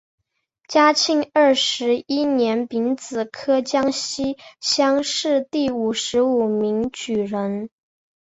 嘉庆二十一年丙子科江西乡试第五十五名举人。